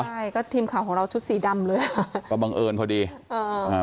ใช่ก็ทีมข่าวของเราชุดสีดำเลยอ่ะก็บังเอิญพอดีอ่าอ่า